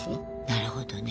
なるほどね。